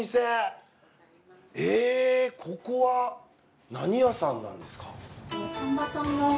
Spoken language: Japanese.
ここは何屋さんなんですか？